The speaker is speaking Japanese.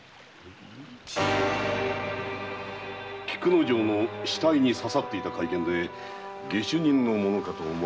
菊之丞の死体に刺さっていた懐剣で下手人のものかと思われます。